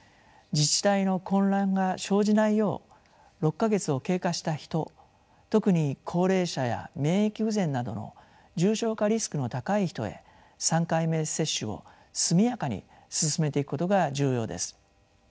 自治体の混乱が生じないよう６か月を経過した人特に高齢者や免疫不全などの重症化リスクの高い人へ３回目接種を速やかに進めていくことが重要です。